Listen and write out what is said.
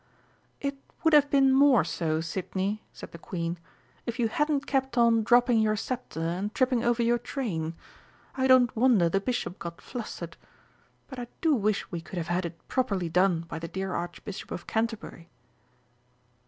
"It would have been more so, Sidney," said the Queen, "if you hadn't kept on dropping your sceptre and tripping over your train. I don't wonder the Bishop got flustered. But I do wish we could have had it properly done by the dear Archbishop of Canterbury!"